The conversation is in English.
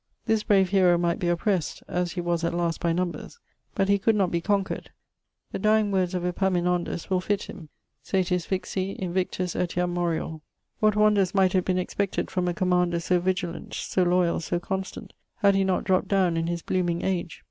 This brave hero might be opprest, (as he was at last by numbers) but he could not be conquered; the dying words of Epaminondas will fitt him, Satis vixi, invictus etiam morior. 'What wonders might have been expected from a commander so vigilant, so loyall, so constant, had he not dropt downe in his blooming age?